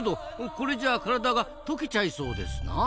これじゃあ体が溶けちゃいそうですなあ。